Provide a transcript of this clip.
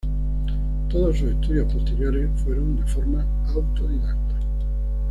Todos sus estudios posteriores fueron de forma autodidacta.